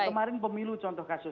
kemarin pemilu contoh kasus